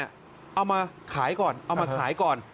เอามาขายก่อนเอามาขายก่อน